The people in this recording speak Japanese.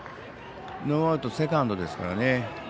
ノーアウトセカンドですから。